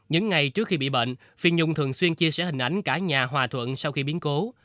những ngày trước khi bị bệnh phim nhung thường xuyên chia sẻ hình ảnh cả nhà hòa thuận sau khi biến cố